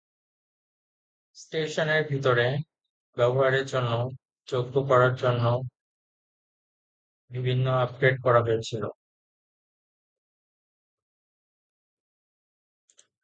স্টেশনের ভিতরে ব্যবহারের জন্য যোগ্য করার জন্য বিভিন্ন আপগ্রেড করা হয়েছিল।